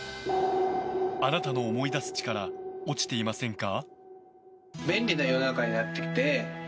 あなたの思い出す力落ちていませんか？